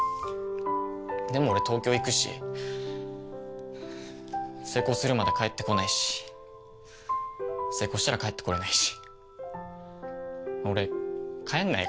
でも俺東京行くし成功するまで帰って来ないし成功したら帰って来れないし。